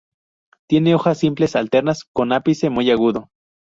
Tiene hojas simples, alternas, con ápice muy agudo.